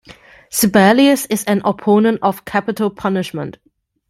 Sebelius is an opponent of capital punishment.